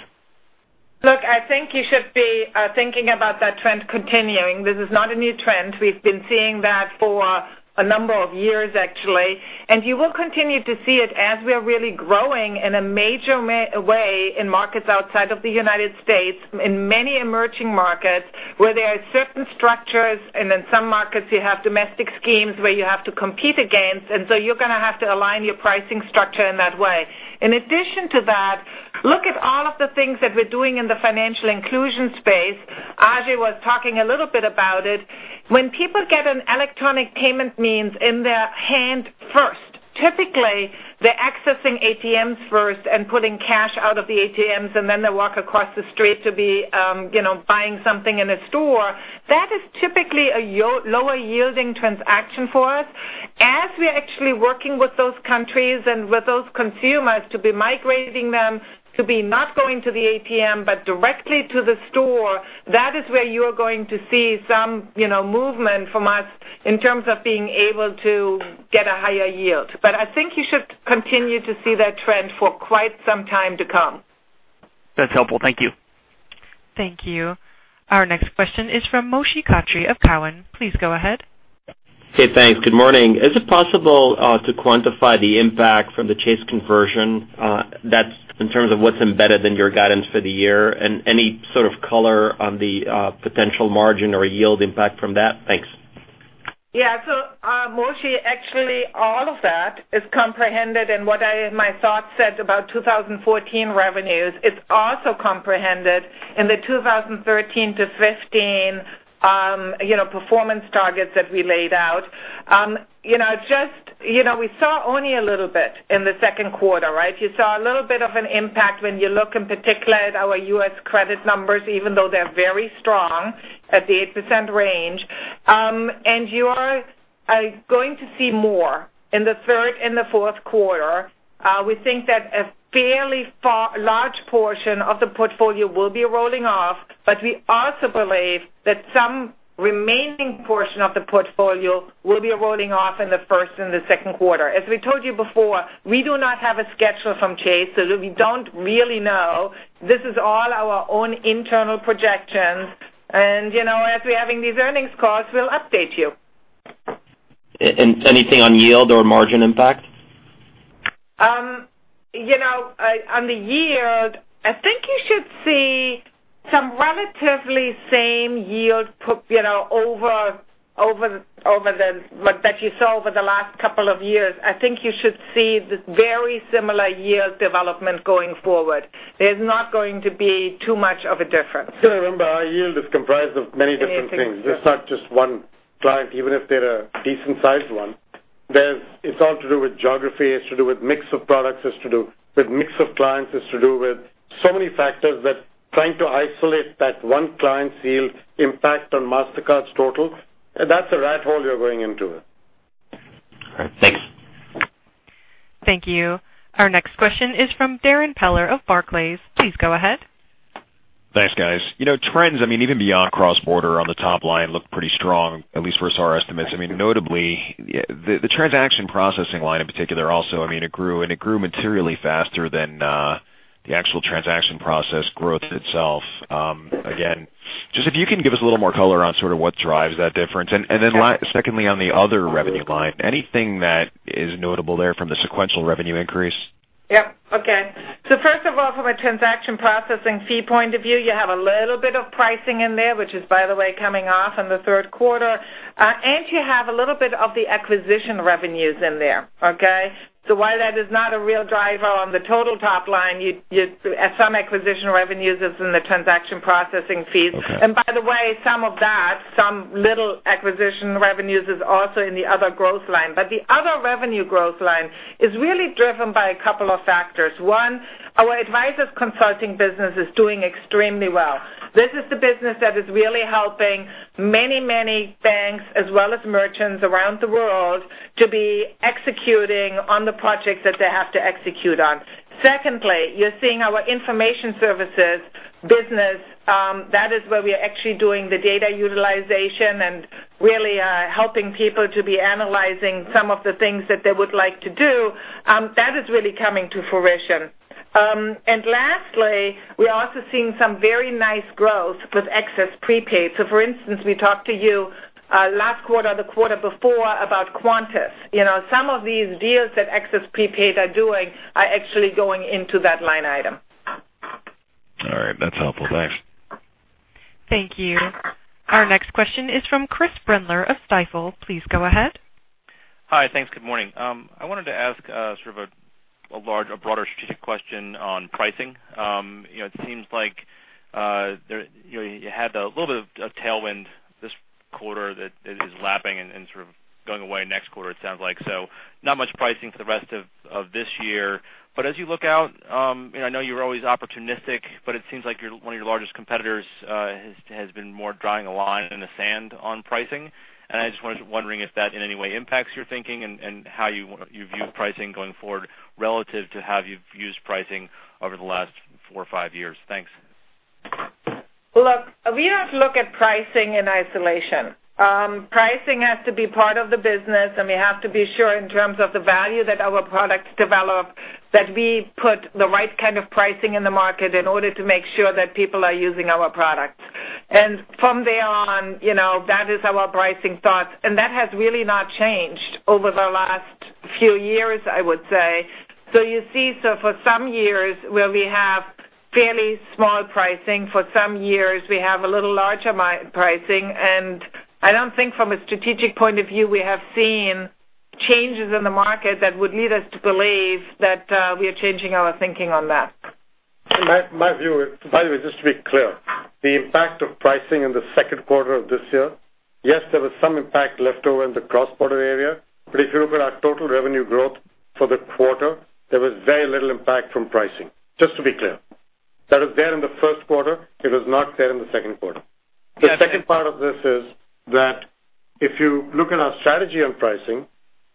Speaker 4: I think you should be thinking about that trend continuing. This is not a new trend. We've been seeing that for a number of years, actually. You will continue to see it as we are really growing in a major way in markets outside of the U.S., in many emerging markets where there are certain structures. In some markets you have domestic schemes where you have to compete against, you're going to have to align your pricing structure in that way. In addition to that, look at all of the things that we're doing in the financial inclusion space. Ajay was talking a little bit about it. When people get an electronic payment means in their hand first, typically they're accessing ATMs first and putting cash out of the ATMs, and then they walk across the street to be buying something in a store. That is typically a lower yielding transaction for us. As we're actually working with those countries and with those consumers to be migrating them to be not going to the ATM but directly to the store, that is where you're going to see some movement from us in terms of being able to get a higher yield. I think you should continue to see that trend for quite some time to come.
Speaker 10: That's helpful. Thank you.
Speaker 1: Thank you. Our next question is from Moshe Katri of Cowen. Please go ahead.
Speaker 11: Okay, thanks. Good morning. Is it possible to quantify the impact from the Chase conversion, that's in terms of what's embedded in your guidance for the year and any sort of color on the potential margin or yield impact from that? Thanks.
Speaker 4: Yeah. Moshe, actually, all of that is comprehended in what my thoughts said about 2014 revenues. It's also comprehended in the 2013-2015 performance targets that we laid out. We saw only a little bit in the second quarter, right? You saw a little bit of an impact when you look in particular at our U.S. credit numbers, even though they're very strong at the 8% range. You are going to see more in the third and the fourth quarter. We think that a fairly large portion of the portfolio will be rolling off, but we also believe that some remaining portion of the portfolio will be rolling off in the first and the second quarter. As we told you before, we do not have a schedule from Chase, so we don't really know. This is all our own internal projections, and as we're having these earnings calls, we'll update you.
Speaker 11: Anything on yield or margin impact?
Speaker 4: On the yield, I think you should see some relatively same yield that you saw over the last couple of years. I think you should see very similar yield development going forward. There is not going to be too much of a difference.
Speaker 3: You got to remember, our yield is comprised of many different things. It is not just one client, even if they are a decent-sized one. It is all to do with geography, it is to do with mix of products, it is to do with mix of clients, it is to do with so many factors that trying to isolate that one client's yield impact on Mastercard's totals, that is a rat hole you are going into.
Speaker 11: All right. Thanks.
Speaker 1: Thank you. Our next question is from Darrin Peller of Barclays. Please go ahead.
Speaker 12: Thanks, guys. Trends, even beyond cross-border on the top line look pretty strong, at least versus our estimates. Notably, the transaction processing line in particular also grew, it grew materially faster than the actual transaction process growth itself. Again, just if you can give us a little more color on what drives that difference. Secondly, on the other revenue line, anything that is notable there from the sequential revenue increase?
Speaker 4: Yep. Okay. First of all, from a transaction processing fee point of view, you have a little bit of pricing in there, which is, by the way, coming off in the third quarter. You have a little bit of the acquisition revenues in there. Okay? While that is not a real driver on the total top line, some acquisition revenues is in the transaction processing fees. By the way, some of that, some little acquisition revenues is also in the other growth line. The other revenue growth line is really driven by a couple of factors. One, our Advisors Consulting business is doing extremely well. This is the business that is really helping many banks as well as merchants around the world to be executing on the projects that they have to execute on. Secondly, you're seeing our information services business. That is where we are actually doing the data utilization and really helping people to be analyzing some of the things that they would like to do. That is really coming to fruition. Lastly, we're also seeing some very nice growth with Access Prepaid. For instance, we talked to you last quarter, the quarter before, about Qantas. Some of these deals that Access Prepaid are doing are actually going into that line item.
Speaker 12: All right. That's helpful. Thanks.
Speaker 1: Thank you. Our next question is from Chris Brendler of Stifel. Please go ahead.
Speaker 13: Hi. Thanks. Good morning. I wanted to ask sort of a broader strategic question on pricing. It seems like you had a little bit of tailwind this quarter that is lapping and sort of going away next quarter, it sounds like. Not much pricing for the rest of this year. As you look out, I know you're always opportunistic, but it seems like one of your largest competitors has been more drawing a line in the sand on pricing. I was just wondering if that in any way impacts your thinking and how you view pricing going forward relative to how you've used pricing over the last four or five years. Thanks.
Speaker 4: Look, we don't look at pricing in isolation. Pricing has to be part of the business, and we have to be sure in terms of the value that our products develop, that we put the right kind of pricing in the market in order to make sure that people are using our product. From there on, that is our pricing thoughts. That has really not changed over the last few years, I would say. You see for some years where we have fairly small pricing, for some years, we have a little larger pricing. I don't think from a strategic point of view, we have seen changes in the market that would lead us to believe that we are changing our thinking on that.
Speaker 3: My view, by the way, just to be clear, the impact of pricing in the second quarter of this year, yes, there was some impact left over in the cross-border area. If you look at our total revenue growth for the quarter, there was very little impact from pricing. Just to be clear. That is there in the first quarter. It is not there in the second quarter.
Speaker 13: Okay.
Speaker 3: The second part of this is that if you look at our strategy on pricing,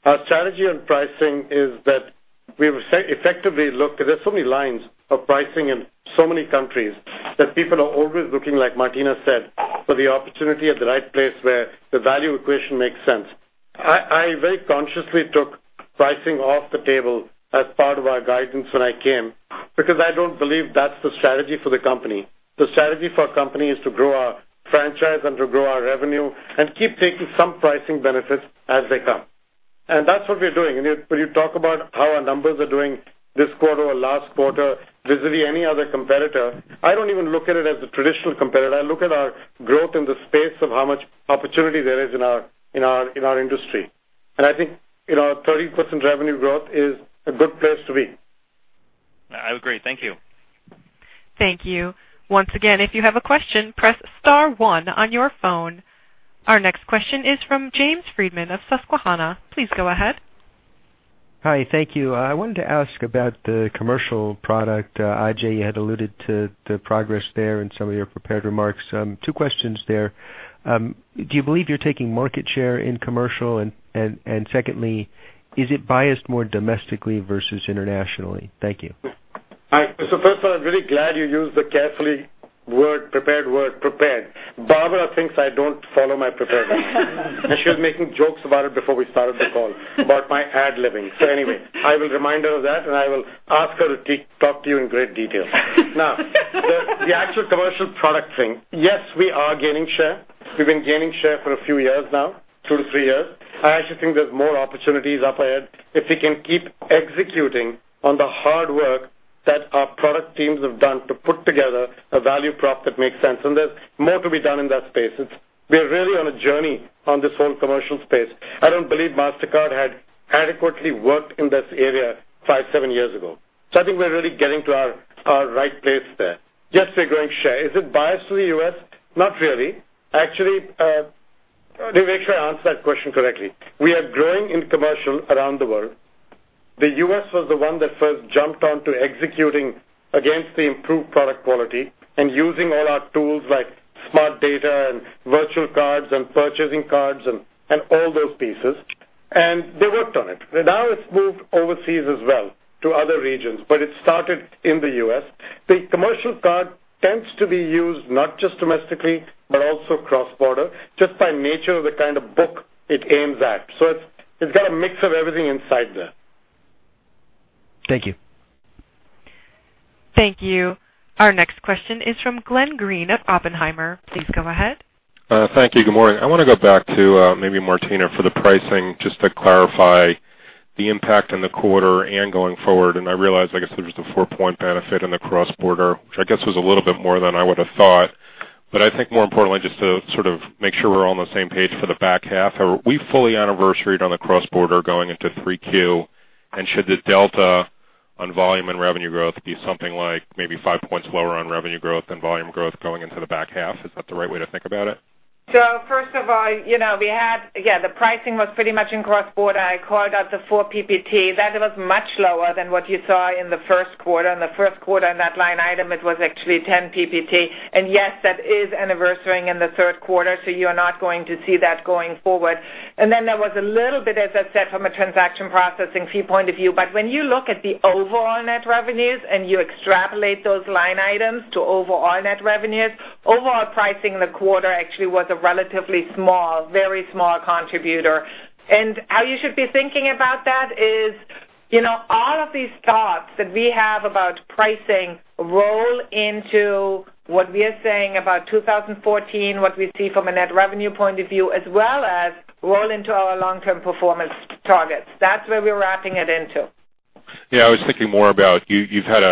Speaker 3: our strategy on pricing is that we have effectively looked. There's so many lines of pricing in so many countries that people are always looking, like Martina said, for the opportunity at the right place where the value equation makes sense. I very consciously took pricing off the table as part of our guidance when I came because I don't believe that's the strategy for the company. The strategy for our company is to grow our franchise and to grow our revenue and keep taking some pricing benefits as they come. That's what we're doing. When you talk about how our numbers are doing this quarter or last quarter vis-à-vis any other competitor, I don't even look at it as a traditional competitor. I look at our growth in the space of how much opportunity there is in our industry. I think 30% revenue growth is a good place to be.
Speaker 4: I agree. Thank you.
Speaker 1: Thank you. Once again, if you have a question, press *1 on your phone. Our next question is from James Friedman of Susquehanna. Please go ahead.
Speaker 14: Hi. Thank you. I wanted to ask about the commercial product. Ajay, you had alluded to the progress there in some of your prepared remarks. Two questions there. Do you believe you're taking market share in commercial? Secondly, is it biased more domestically versus internationally? Thank you.
Speaker 3: All right. First of all, I'm very glad you used the carefully prepared word "prepared." Barbara thinks I don't follow my prepared remarks. She was making jokes about it before we started the call about my ad-libbing. Anyway, I will remind her of that, and I will ask her to talk to you in great detail. Now, the actual commercial product thing. Yes, we are gaining share. We've been gaining share for a few years now, 2-3 years. I actually think there's more opportunities up ahead if we can keep executing on the hard work that our product teams have done to put together a value prop that makes sense. There's more to be done in that space. We're really on a journey on this whole commercial space. I don't believe Mastercard had adequately worked in this area five, seven years ago. I think we're really getting to our right place there. Yes, we're growing share. Is it biased to the U.S.? Not really. Actually, let me make sure I answer that question correctly. We are growing in commercial around the world. The U.S. was the one that first jumped onto executing against the improved product quality and using all our tools like Smart Data and virtual cards and purchasing cards and all those pieces. They worked on it. Now it's moved overseas as well to other regions, but it started in the U.S. The commercial card tends to be used not just domestically but also cross-border, just by nature of the kind of book it aims at. It's got a mix of everything inside there.
Speaker 14: Thank you.
Speaker 1: Thank you. Our next question is from Glenn Greene of Oppenheimer. Please go ahead.
Speaker 15: Thank you. Good morning. I want to go back to maybe Martina for the pricing, just to clarify the impact on the quarter and going forward. I realize, I guess there's the four-point benefit in the cross-border, which I guess was a little bit more than I would have thought. I think more importantly, just to sort of make sure we're all on the same page for the back half. Are we fully anniversaried on the cross-border going into 3Q? And should the delta on volume and revenue growth be something like maybe five points lower on revenue growth than volume growth going into the back half? Is that the right way to think about it?
Speaker 4: First of all, the pricing was pretty much in cross-border. I called out the four PPT. That was much lower than what you saw in the first quarter. In the first quarter in that line item, it was actually 10 PPT. Yes, that is anniversarying in the third quarter, so you're not going to see that going forward. Then there was a little bit, as I said, from a transaction processing fee point of view. When you look at the overall net revenues and you extrapolate those line items to overall net revenues, overall pricing in the quarter actually was a relatively small, very small contributor. How you should be thinking about that is all of these thoughts that we have about pricing roll into what we are saying about 2014, what we see from a net revenue point of view, as well as roll into our long-term performance targets. That's where we're wrapping it into.
Speaker 15: I was thinking more about you've had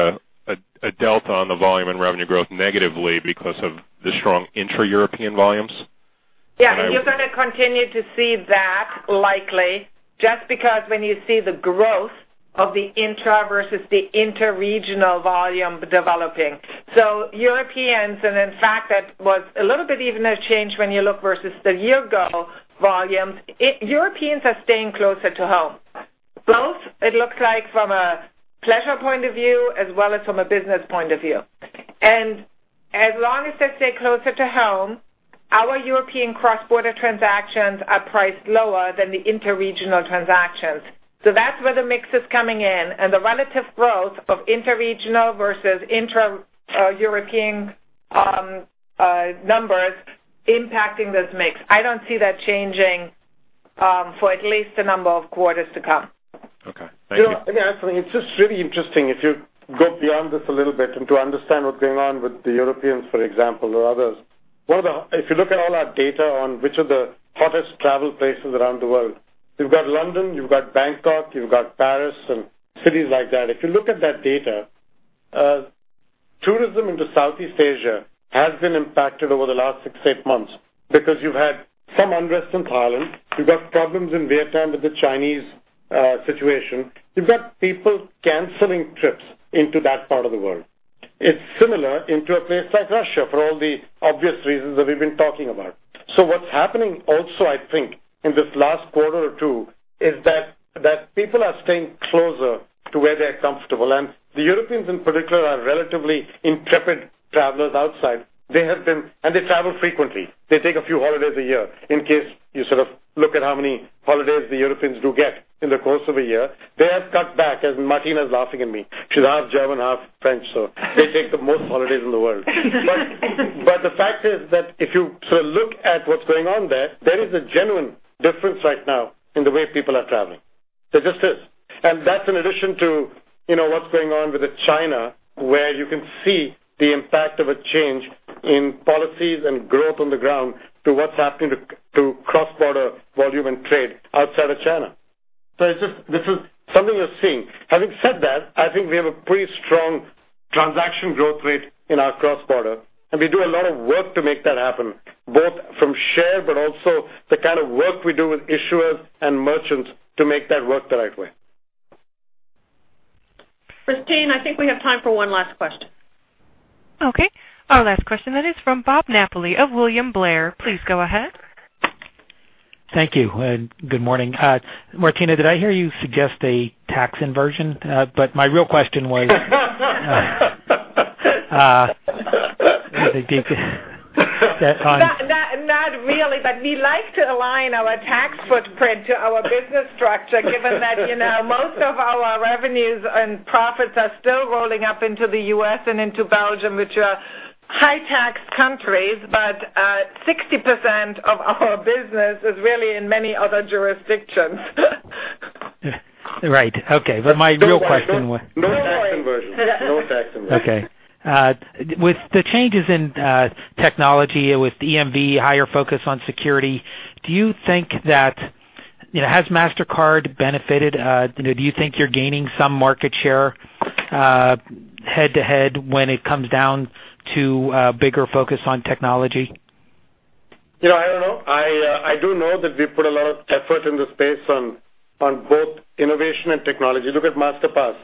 Speaker 15: a delta on the volume and revenue growth negatively because of the strong intra-European volumes.
Speaker 4: You're going to continue to see that likely just because when you see the growth of the intra versus the interregional volume developing. Europeans, and in fact, that was a little bit even a change when you look versus the year-ago volume. Europeans are staying closer to home. Both it looks like from a pleasure point of view as well as from a business point of view. As long as they stay closer to home, our European cross-border transactions are priced lower than the interregional transactions. That's where the mix is coming in and the relative growth of interregional versus intra-European numbers impacting this mix. I don't see that changing for at least a number of quarters to come.
Speaker 15: Thank you.
Speaker 3: Let me add something. It's just really interesting if you go beyond this a little bit and to understand what's going on with the Europeans, for example, or others. If you look at all our data on which are the hottest travel places around the world, you've got London, you've got Bangkok, you've got Paris and cities like that. If you look at that data, tourism into Southeast Asia has been impacted over the last six, eight months because you've had some unrest in Thailand. You've got problems in Vietnam with the Chinese situation. You've got people canceling trips into that part of the world. It's similar in a place like Russia for all the obvious reasons that we've been talking about. What's happening also, I think, in this last quarter or two is that people are staying closer to where they're comfortable. The Europeans in particular are relatively intrepid travelers outside. They have been. They travel frequently. They take a few holidays a year. In case you sort of look at how many holidays the Europeans do get in the course of a year, they have cut back. As Martina is laughing at me, she's half German, half French, they take the most holidays in the world. The fact is that if you sort of look at what's going on there is a genuine difference right now in the way people are traveling. There just is. That's in addition to what's going on with China, where you can see the impact of a change in policies and growth on the ground to what's happening to cross-border volume and trade outside of China. This is something you're seeing. Having said that, I think we have a pretty strong transaction growth rate in our cross-border, and we do a lot of work to make that happen, both from share, but also the kind of work we do with issuers and merchants to make that work the right way.
Speaker 4: Christine, I think we have time for one last question.
Speaker 1: Our last question then is from Bob Napoli of William Blair. Please go ahead.
Speaker 16: Thank you and good morning. Martina, did I hear you suggest a tax inversion?
Speaker 4: Not really, we like to align our tax footprint to our business structure, given that most of our revenues and profits are still rolling up into the U.S. and into Belgium, which are high-tax countries. 60% of our business is really in many other jurisdictions.
Speaker 16: Right. Okay. My real question was.
Speaker 3: No tax inversion.
Speaker 4: No way.
Speaker 3: No tax inversion.
Speaker 16: Okay. With the changes in technology, with EMV, higher focus on security, Has Mastercard benefited? Do you think you're gaining some market share head-to-head when it comes down to bigger focus on technology?
Speaker 3: I don't know. I do know that we put a lot of effort in the space on both innovation and technology. Look at Masterpass.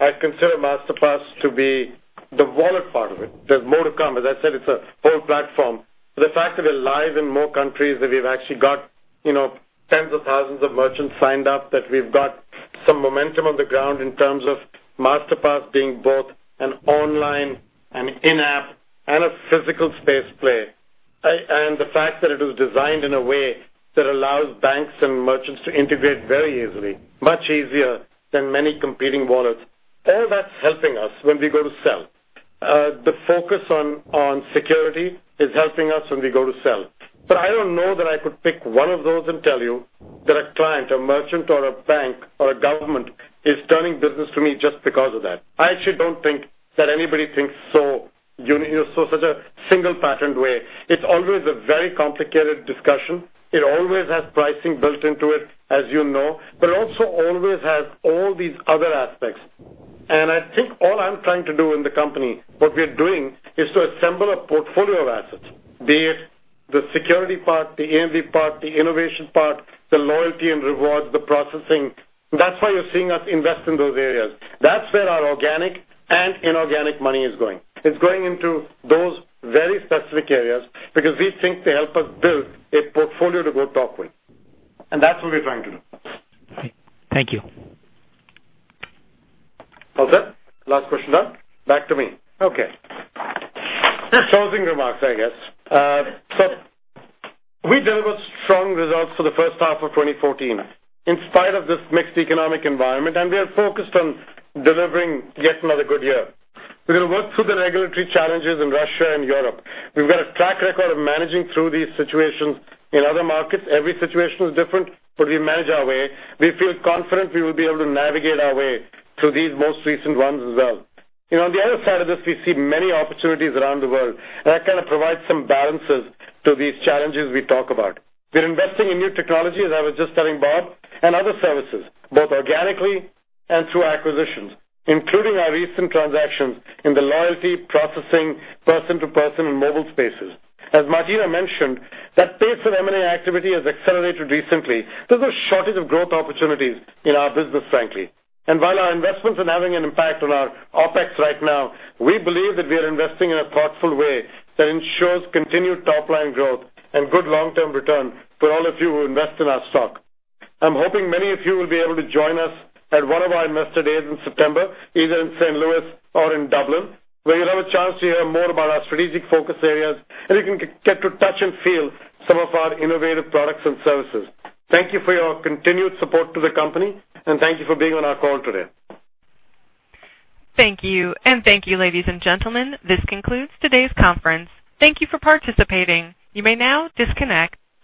Speaker 3: I consider Masterpass to be the wallet part of it. There's more to come. As I said, it's a whole platform. The fact that we're live in more countries, that we've actually got tens of thousands of merchants signed up, that we've got some momentum on the ground in terms of Masterpass being both an online and in-app and a physical space play. The fact that it was designed in a way that allows banks and merchants to integrate very easily, much easier than many competing wallets. All that's helping us when we go to sell. The focus on security is helping us when we go to sell. I don't know that I could pick one of those and tell you that a client, a merchant, or a bank, or a government is turning business to me just because of that. I actually don't think that anybody thinks so, such a single patterned way. It's always a very complicated discussion. It always has pricing built into it, as you know, but also always has all these other aspects. I think all I'm trying to do in the company, what we are doing is to assemble a portfolio of assets. Be it the security part, the EMV part, the innovation part, the loyalty and rewards, the processing. That's why you're seeing us invest in those areas. That's where our organic and inorganic money is going. It's going into those very specific areas because we think they help us build a portfolio to go to talk with. That's what we're trying to do.
Speaker 16: Thank you.
Speaker 3: All set. Last question done. Back to me. Closing remarks, I guess. We delivered strong results for the first half of 2014 in spite of this mixed economic environment. We are focused on delivering yet another good year. We're going to work through the regulatory challenges in Russia and Europe. We've got a track record of managing through these situations in other markets. Every situation is different, but we manage our way. We feel confident we will be able to navigate our way through these most recent ones as well. On the other side of this, we see many opportunities around the world. That kind of provides some balances to these challenges we talk about. We're investing in new technology, as I was just telling Bob, and other services, both organically and through acquisitions, including our recent transactions in the loyalty, processing, person-to-person, and mobile spaces. As Martina mentioned, that pace of M&A activity has accelerated recently. There's a shortage of growth opportunities in our business, frankly. While our investments are having an impact on our OpEx right now, we believe that we are investing in a thoughtful way that ensures continued top-line growth and good long-term return for all of you who invest in our stock. I'm hoping many of you will be able to join us at one of our investor days in September, either in St. Louis or in Dublin, where you'll have a chance to hear more about our strategic focus areas. You can get to touch and feel some of our innovative products and services. Thank you for your continued support to the company. Thank you for being on our call today.
Speaker 1: Thank you. Thank you, ladies and gentlemen. This concludes today's conference. Thank you for participating. You may now disconnect.